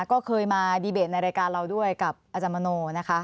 ก็เคยมาดีเบตในรายการเราด้วยกับอาจารย์มโนนะคะ